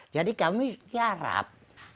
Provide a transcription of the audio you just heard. jadi kami tiarap